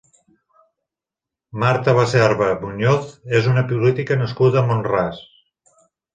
Marta Baserba Muñoz és una política nascuda a Mont-ras.